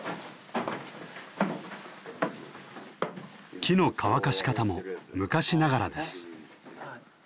木の乾かし方も昔ながらです。